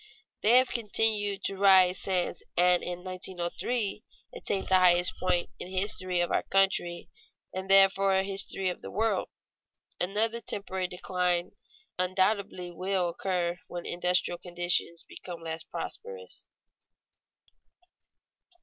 They have continued to rise since and in 1903 attained the highest point in the history of our country and therefore in the history of the world. Another temporary decline undoubtedly will occur when industrial conditions become less prosperous.